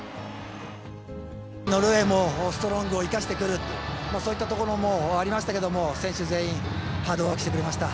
ノルウェーもストロングを生かしてくる、そういったところもありましたけども、選手全員、ハードワークしてくれました。